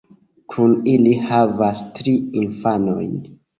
Kune ili havas tri infanojn.